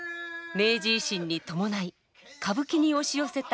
明治維新に伴い歌舞伎に押し寄せた変革の波。